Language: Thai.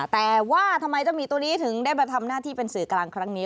แต่ว่าทำไมเจ้าหมีตัวนี้ถึงได้มาทำหน้าที่เป็นสื่อกลางครั้งนี้